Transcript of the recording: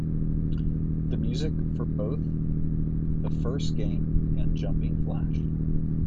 The music for both the first game and Jumping Flash!